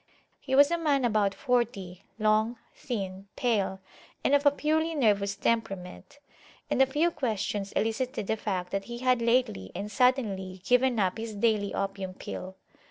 He was a man about forty, long, thin, pale, and of a purely nervous temperament; and a few questions elicited the fact that he had lately and suddenly given up his daily opium pill.